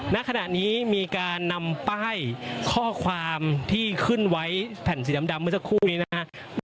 ณขณะนี้มีการนำป้ายข้อความที่ขึ้นไว้แผ่นสีดำเมื่อสักครู่นี้นะครับ